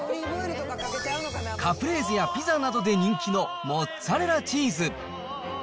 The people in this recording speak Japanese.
カプレーゼやピザなどで人気のモッツァレラチーズ。